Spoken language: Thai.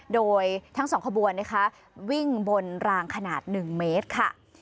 โดยทั้งสองขบวนวิ่งบนรางขนาดหนึ่งเมตรค่ะ